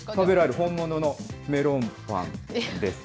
本物のメロンパンです。